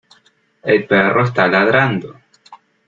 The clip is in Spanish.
El perro está ladrando.